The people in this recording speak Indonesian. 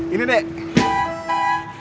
pindah ke sana